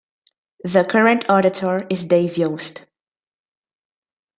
The current Auditor is Dave Yost.